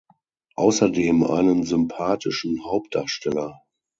Außerdem einen sympathischen Hauptdarsteller.